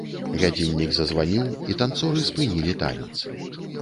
Гадзіннік зазваніў, і танцоры спынілі танец.